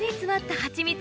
ハチミツ。